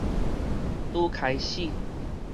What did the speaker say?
拄開始